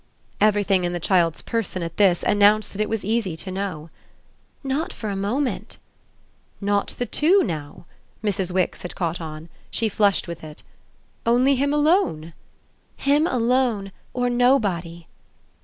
Everything in the child's person, at this, announced that it was easy to know. "Not for a moment." "Not the two now?" Mrs. Wix had caught on; she flushed with it. "Only him alone?" "Him alone or nobody."